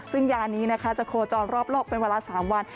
ซึ่งยานี้นะคะจะโคจรรอบโลกเป็นเวลา๓วัน